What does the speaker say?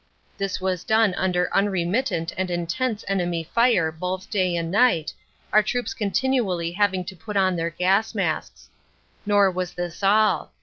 This was done under unremittant and intense enemy fire, both day and night, our troops continually having to put on their gas masks. Nor was this all.